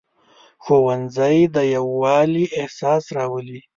ښوونځی د یووالي احساس راولي